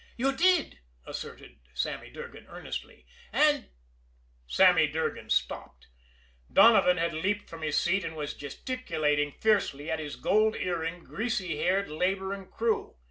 "You did," asserted Sammy Durgan earnestly, "and " Sammy Durgan stopped. Donovan had leaped from his seat, and was gesticulating fiercely at his gold earringed, greasy haired laboring crew.